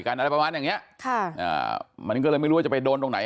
อะไรประมาณอย่างเนี้ยค่ะอ่ามันก็เลยไม่รู้ว่าจะไปโดนตรงไหน